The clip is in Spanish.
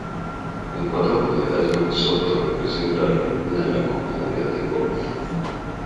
En cuatro oportunidades, Jorge Soto representa a Argentina en la Copa Mundial de Golf.